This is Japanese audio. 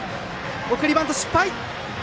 送りバント失敗。